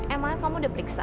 emangnya kamu udah periksa